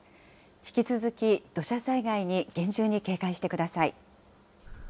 引き続き土砂災害に厳重に警戒してください。